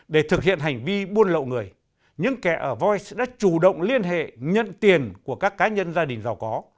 để thực hiện hành vi buôn lậu người những kẻ ở voice đã chủ động liên hệ nhận tiền của các cá nhân gia đình giàu có